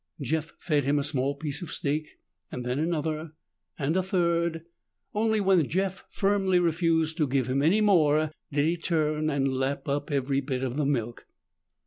Jeff fed him a small piece of steak, then another, and a third. Only when Jeff firmly refused to give him any more did he turn and lap up every bit of the milk.